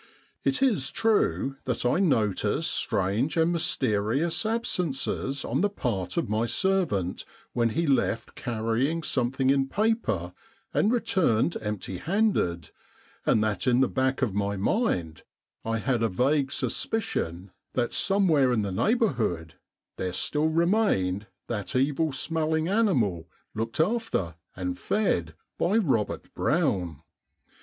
It is true that I noticed strange and mys terious absences on the part of my servant when he left carrying something in paper and returned empty handed, and that in the back of my mind I had a vague suspicion that somewhere in the neighbourhood there still remained that evil smelling animal looked after and fed by Robert Brown.